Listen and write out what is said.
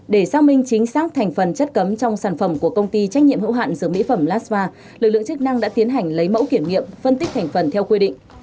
để xác minh chính xác thành phần chất cấm trong sản phẩm của công ty trách nhiệm hữu hạn dược mỹ phẩm lasva lực lượng chức năng đã tiến hành lấy mẫu kiểm nghiệm phân tích thành phần theo quy định